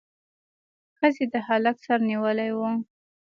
ښځې د هلک سر نیولی و.